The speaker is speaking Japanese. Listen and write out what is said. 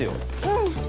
うん。